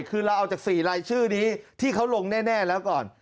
คือเราเอาจาก๔ลายชื่อนี้ที่เขาลงแน่แล้วก่อน